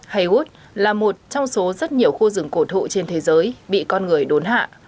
heot là một trong số rất nhiều khu rừng cổ thụ trên thế giới bị con người đốn hạ